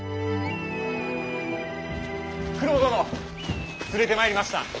九郎殿連れてまいりました。